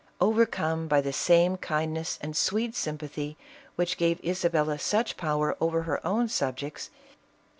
Overcome by the same kind ness and sweet sympathy which gave Isabella such power over her own subjects, he.